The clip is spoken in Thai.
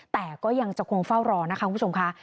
แต่ก็ยังจะคงเฝ้ารอนะคะคุณผู้ชมค่ะ